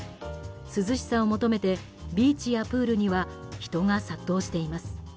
涼しさを求めてビーチやプールには人が殺到しています。